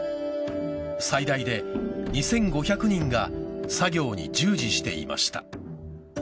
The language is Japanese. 最大で２５００人が作業に従事していました。